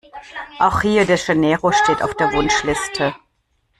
Auch Rio de Janeiro steht auf der Wunschliste.